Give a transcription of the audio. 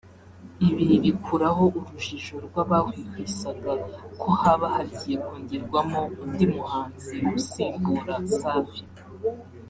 ibi bikuraho urujijo rw’abahwihwisaga ko haba hagiye kongerwamo undi muhanzi usimbura Safi